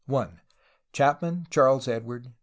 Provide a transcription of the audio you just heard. Chapman, Charles Edward.